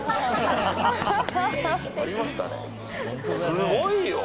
すごいよ！